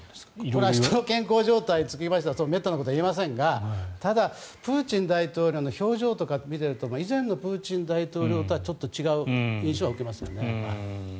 これは人の健康状態についてはめったなことは言えませんがただ、プーチン大統領の表情とかを見ていると以前のプーチン大統領とはちょっと違う印象は受けますね。